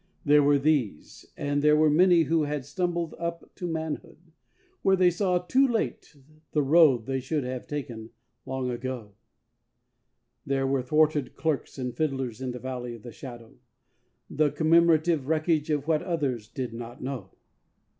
There were these, and there were many who had stumbled up to manhood, Where they saw too late the road they should have taken long ago: There were thwarted clerks and fiddlers in the Valley of the Shadow, The commemorative wreckage of what others did not know.